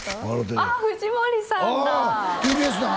ああ藤森さんだあ